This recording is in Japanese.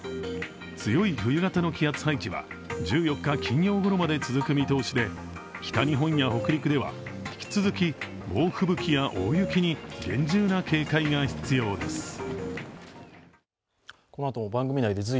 強い冬型の気圧配置は１４日金曜ごろまで続く見通しで北日本や北陸では引き続き猛吹雪や大吹雪に厳重な警戒が必要です。